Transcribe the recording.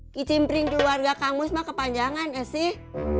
kicimpring keluarga kang mus mah kepanjangan esih